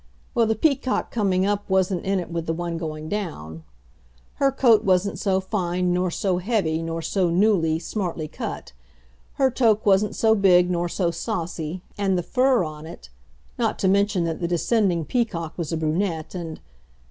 Well, the peacock coming up wasn't in it with the one going down. Her coat wasn't so fine, nor so heavy, nor so newly, smartly cut. Her toque wasn't so big nor so saucy, and the fur on it not to mention that the descending peacock was a brunette and